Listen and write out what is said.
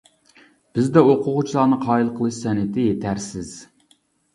بىزدە ئوقۇغۇچىلارنى قايىل قىلىش سەنئىتى يېتەرسىز.